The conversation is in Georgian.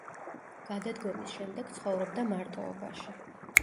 გადადგომის შემდეგ ცხოვრობდა მარტოობაში.